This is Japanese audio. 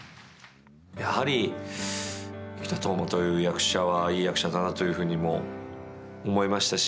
やはり生田斗真という役者はいい役者だなというふうにも思いましたし。